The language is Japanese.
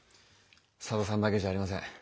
佐田さんだけじゃありません。